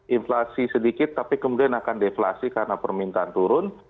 inflasi sedikit tapi kemudian akan deflasi karena permintaan turun